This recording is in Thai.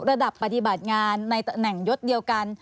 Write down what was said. ระดับปฏิบัติงานในตำแหน่งยศเดียวกัน